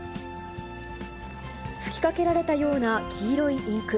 吹きかけられたような黄色いインク。